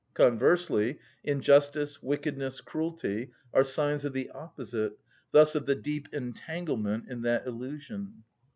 Conversely, injustice, wickedness, cruelty are signs of the opposite, thus of the deep entanglement in that illusion.